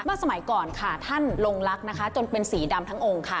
สมัยก่อนค่ะท่านลงลักษณ์นะคะจนเป็นสีดำทั้งองค์ค่ะ